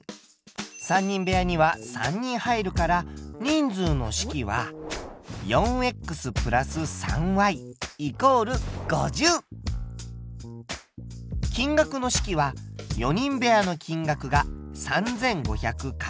３人部屋には３人入るから人数の式は金額の式は４人部屋の金額が３５００×。